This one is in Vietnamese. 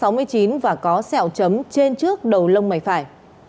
đối tượng này cao một m sáu mươi hai và có sẹo chấm trên trước đầu lông mây phải